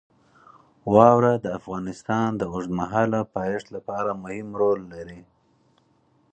واوره د افغانستان د اوږدمهاله پایښت لپاره مهم رول لري.